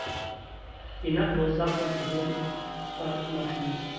ئىناق بولساق بىز ئۇزۇن، پۈتۈپ چىقار ناخشىمىز.